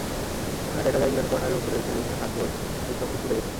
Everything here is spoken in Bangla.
সেখানে দেখা যায়, ইরানি কর্নারের ওপরের সিলিংয়ের হার্ডবোর্ড কিছু অংশ পুড়ে গেছে।